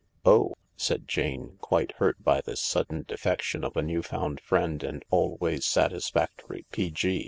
" Oh," said Jane, quite hurt by this sudden defection of a new found friend and always satisfactory P.G.